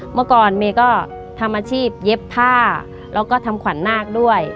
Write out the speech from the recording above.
เมื่อก่อนเมย์ก็ทำอาชีพเย็บผ้าแล้วก็ทำขวัญนาคด้วย